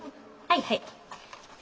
はいはい。